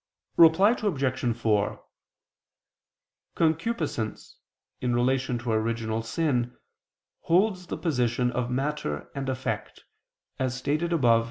Reply Obj. 4: Concupiscence, in relation to original sin, holds the position of matter and effect, as stated above (Q.